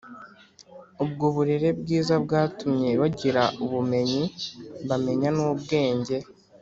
Ubwo burere bwiza bwatumye bagira ubumenyi bamenya n’ubwenge